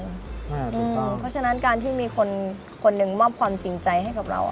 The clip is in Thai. เพราะฉะนั้นการที่มีคนหนึ่งมอบความจริงใจให้กับเรา